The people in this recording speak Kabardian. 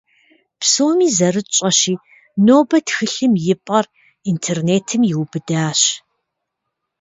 Псоми зэрытщӀэщи, нобэ тхылъым и пӀэр интернетым иубыдащ.